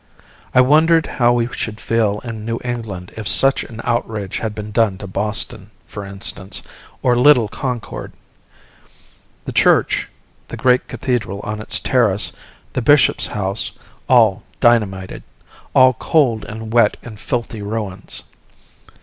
I wondered how we should feel in New England if such an outrage had been done to Boston, for instance, or little Concord! The church, the great cathedral on its terrace, the bishop's house, all dynamited, all cold and wet and filthy ruins!